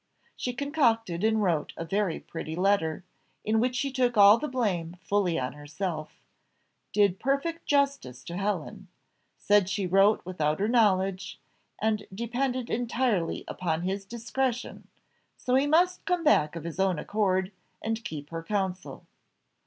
She concocted and wrote a very pretty letter, in which she took all the blame fully on herself did perfect justice to Helen; said she wrote without her knowledge, and depended entirely upon his discretion, so he must come back of his own accord, and keep her counsel.